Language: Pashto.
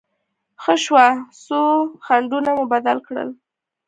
ښه شوه، څو خنډونه مو بند کړل.